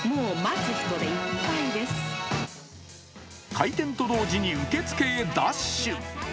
開店と同時に受付へダッシュ。